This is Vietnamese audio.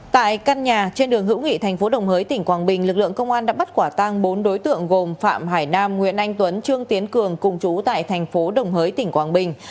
tại căn nhà trên đường hữu nghị thành phố đồng hới tỉnh quảng bình lực lượng công an đã bắt quả tang bốn đối tượng gồm phạm hải nam nguyễn anh tuấn trương tiến cường cùng chú tại thành phố đồng hới tỉnh quảng bình